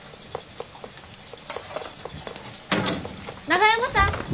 長山さん